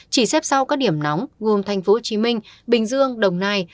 chỉ xếp sau các điểm nóng gồm thành phố hồ chí minh bình dương đồng nai